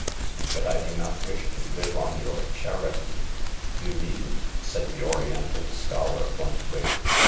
"But I do not wish to live on your charity." "You needn't," said the Oriental scholar, bluntly.